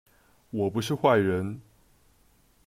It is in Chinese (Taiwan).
我不是壞人